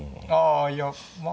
あいやまあ